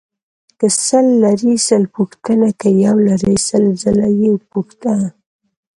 که سل لرې سل پوښته ، که يو لرې سل ځله يې پوښته.